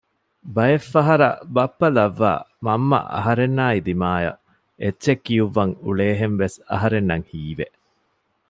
ބައެއްފަހަރަށް ބައްޕަ ލައްވައި މަންމަ އަހަރެންނާއި ދިމަޔަށް އެއްޗެއް ކިއުއްވަން އުޅޭހެންވެސް އަހަރެންނަށް ހީވެ